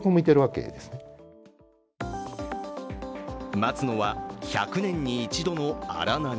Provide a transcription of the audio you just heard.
待つのは１００年に一度の荒波。